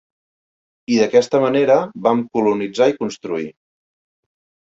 I d"aquesta manera vam colonitzar i construir.